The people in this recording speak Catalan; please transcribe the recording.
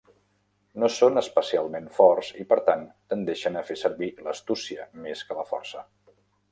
No són especialment forts i, per tant, tendeixen a fer servir l'astúcia més que la força.